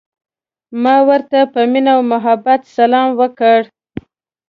ما ورته په مینه او محبت سلام وکړ.